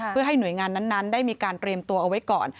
เพื่อให้หน่วยงานนั้นได้มีการเตรียมตัวเอาไว้ก่อน